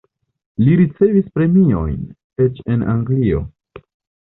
Li ricevis premiojn, eĉ en Anglio.